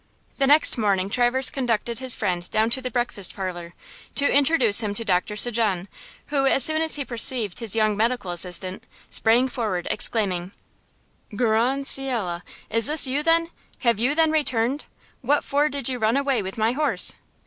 The next morning Traverse conducted his friend down to the breakfast parlor, to introduce him to Doctor St. Jean, who, as soon as he perceived his young medical assistant, sprang forward exclaiming: "Grand ciel! Is this then you? Have you then returned? What for did you run away with my horse?"